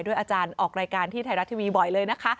อาจารย์ออกรายการที่ไทยรัฐทีวีบ่อยเลยนะคะ